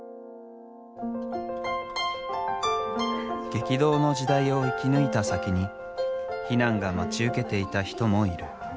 激動の時代を生き抜いた先に避難が待ち受けていた人もいる。